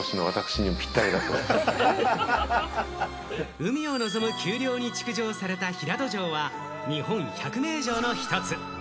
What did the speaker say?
海を望む丘陵に築城された平戸城は、日本１００名城の１つ。